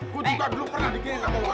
gue juga dulu pernah digilam